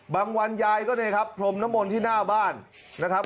บางวันยายก็ได้ครับคลมนมลที่หน้าบ้านนะครับ